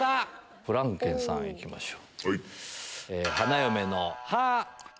フランケンさん行きましょう。